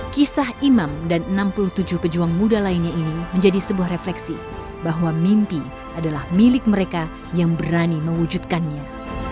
kisah imam dan enam puluh tujuh pejuang muda lainnya ini menjadi sebuah refleksi bahwa mimpi adalah milik mereka yang berani mewujudkannya